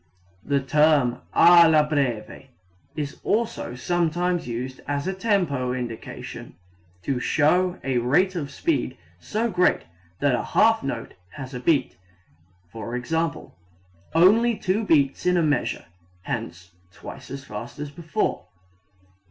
The term alla breve is also sometimes used as a tempo indication, to show a rate of speed so great that a half note has a beat, i.e., only two beats in a measure hence twice as fast as before.